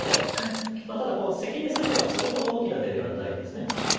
ただセキにする手はそれほど大きな手ではないです。